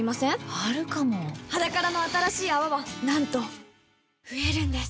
あるかも「ｈａｄａｋａｒａ」の新しい泡はなんと増えるんです